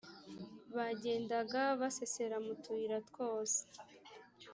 bagendaga basesera mu tuyira twose